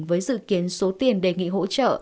với dự kiến số tiền đề nghị hỗ trợ